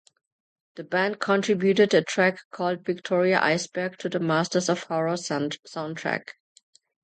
The band contributed a track called "Victoria Iceberg" to the Masters of Horror Soundtrack.